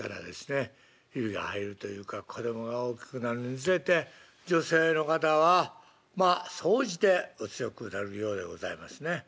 ヒビが入るというか子供が大きくなるにつれて女性の方はまあ総じてお強くなるようでございますね。